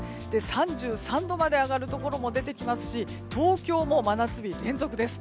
３３度まで上がるところも出てきますし東京も真夏日連続です。